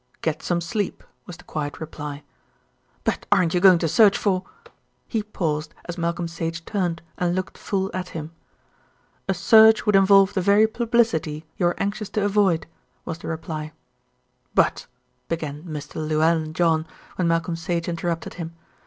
"Get some sleep," was the quiet reply. "But aren't you going to search for ?" He paused as Malcolm Sage turned and looked full at him. "A search would involve the very publicity you are anxious to avoid," was the reply. "But " began Mr. Llewellyn John, when Malcolm Sage interrupted him.